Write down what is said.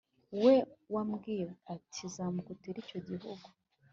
we wambwiye ati Zamuka utere icyo gihugu